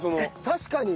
確かに。